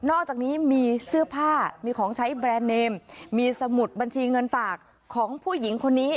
อกจากนี้มีเสื้อผ้ามีของใช้แบรนด์เนมมีสมุดบัญชีเงินฝากของผู้หญิงคนนี้